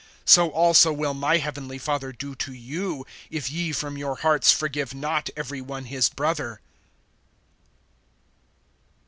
(35)So also will my heavenly Father do to you, if ye from your hearts forgive not every one his brother.